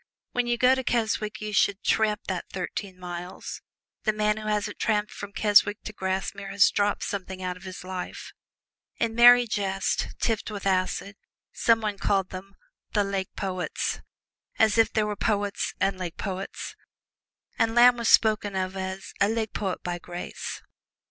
When you go to Keswick you should tramp that thirteen miles the man who hasn't tramped from Keswick to Grasmere has dropped something out of his life. In merry jest, tipped with acid, some one called them "The Lake Poets," as if there were poets and lake poets. And Lamb was spoken of as "a Lake Poet by grace."